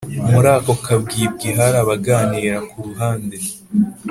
murako kabwibwi harabaganira kuruhande